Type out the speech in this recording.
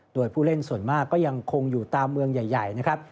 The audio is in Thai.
โดยผู้เล่นส่วนมากก็ยังคงอยู่ตามเมืองใหญ่นะครับ